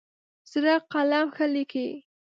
زړه قلم ښه لیکي.